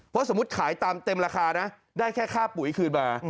เพราะสมมุติขายตามเต็มราคานะได้แค่ค่าปุ๋ยคืนมา